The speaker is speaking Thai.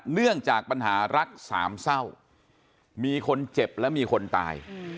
เนื่องจากปัญหารักสามเศร้ามีคนเจ็บและมีคนตาย